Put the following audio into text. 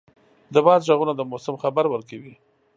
د باد ږغونه د موسم خبر ورکوي.